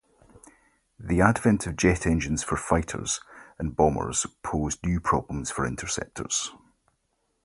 The advent of jet engines for fighters and bombers posed new problems for interceptors.